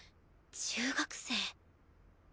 中学生。